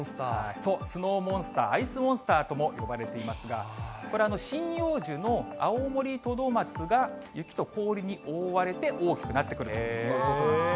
そう、スノーモンスター、アイスモンスターとも呼ばれていますが、これ、針葉樹のアオモリトドマツが雪と氷に覆われて大きくなってくる。